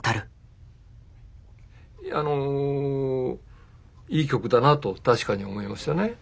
あのいい曲だなと確かに思いましたね。